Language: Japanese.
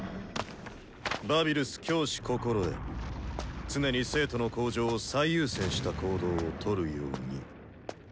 「バビルス教師心得常に生徒の向上を最優先した行動をとるように」。